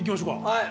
はい！